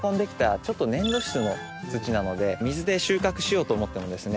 ちょっと粘土質の土なので水で収穫しようと思ってもですね